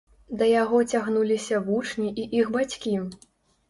Да яго цягнуліся вучні і іх бацькі.